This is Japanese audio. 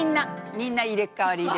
みんな入れ替わりで。